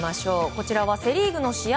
こちらはセ・リーグの試合